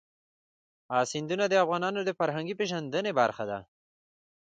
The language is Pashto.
سیندونه د افغانانو د فرهنګي پیژندنې برخه ده.